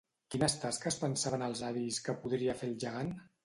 Quines tasques pensaven els avis que podria fer el gegant?